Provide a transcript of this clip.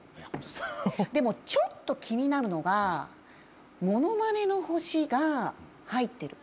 でもちょっと気になるのがものまねの星が入ってる。